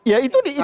ya itu ada di sini